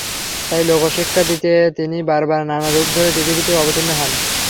তাই লোকশিক্ষা দিতে তিনি বারবার নানা রূপ ধরে পৃথিবীতে অবতীর্ণ হন।